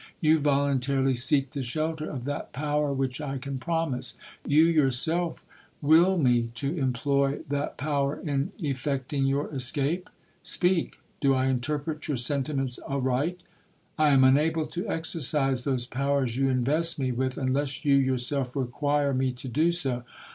You voluntarily seek the shelter of that power which I can promise? You yourself will me to employ that power in effecting your escape?—Speak—do I interpret your sentiments aright?—I am unable to exercise those powers you invest me with, unless you yourself require me to do so.